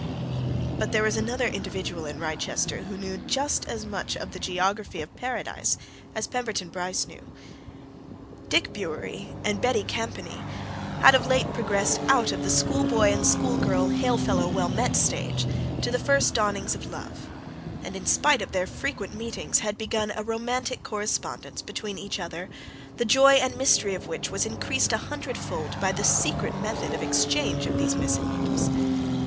But there was another individual in Wrychester who knew just as much of the geography of Paradise as Pemberton Bryce knew. Dick Bewery and Betty Campany had of late progressed out of the schoolboy and schoolgirl hail fellow well met stage to the first dawnings of love, and in spite of their frequent meetings had begun a romantic correspondence between each other, the joy and mystery of which was increased a hundredfold by a secret method of exchange of these missives.